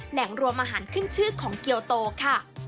แหล่งรวมอาหารขึ้นชื่อของเกียวโตค่ะ